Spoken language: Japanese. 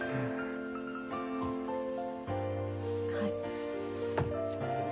はい。